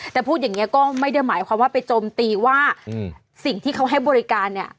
แต่พูดอย่างนี้ก็ไม่ได้หมายความว่าไปโจมตีว่าสิ่งที่เขาให้บริการเนี่ย